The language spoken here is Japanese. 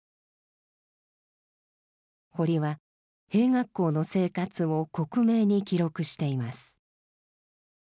堀は兵学校の生活を克明に記録しています。